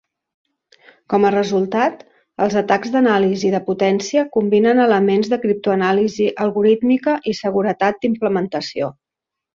Com a resultat, els atacs d'anàlisi de potència combinen elements de criptoanàlisi algorítmica i seguretat d'implementació.